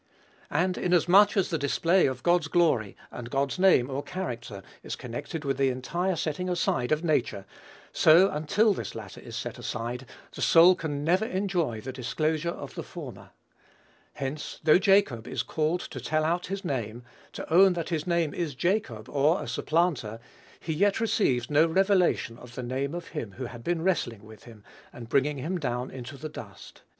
And, inasmuch as the display of God's glory, and God's name or character, is connected with the entire setting aside of nature, so, until this latter is set aside, the soul can never enjoy the disclosure of the former. Hence, though Jacob is called to tell out his name, to own that his name is "Jacob, or a supplanter," he yet receives no revelation of the name of him who had been wrestling with him, and bringing him down into the dust.